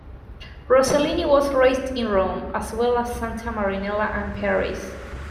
Rossellini was raised in Rome, as well as in Santa Marinella and Paris.